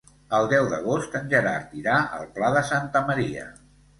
El deu d'agost en Gerard irà al Pla de Santa Maria.